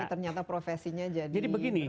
tapi ternyata profesinya jadi